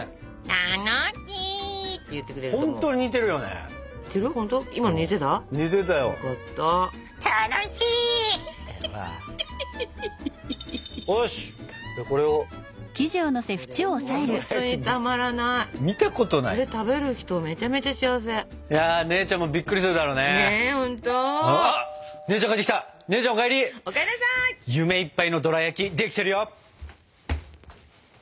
夢いっぱいのドラやきできてるよ。